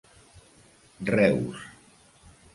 Reus: